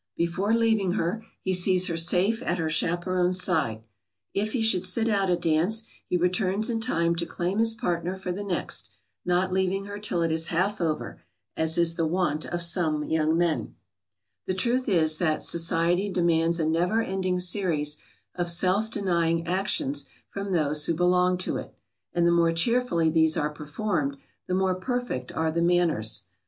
Before leaving her, he sees her safe at her chaperon's side. If he should sit out a dance he returns in time to claim his partner for the next, not leaving her till it is half over, as is the wont of some young men. [Sidenote: Self denial the secret of good society.] The truth is that society demands a never ending series of self denying actions from those who belong to it, and the more cheerfully these are performed, the more perfect are the manners.